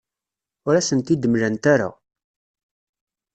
Ur asen-t-id-mlant ara.